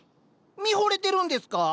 見ほれてるんですか？